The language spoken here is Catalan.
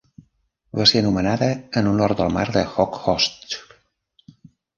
Va ser anomenada en honor del mar d'Okhotsk.